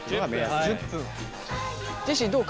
ジェシーどう？